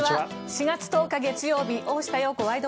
４月１０日、月曜日「大下容子ワイド！